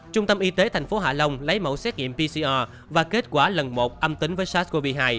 trung tâm y tế tp hạ long lấy mẫu xét nghiệm pcr và kết quả lần một âm tính với sars cov hai